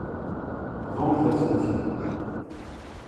Bḍumt-as-tent-id.